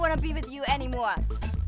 aku gak mau lagi bersama lo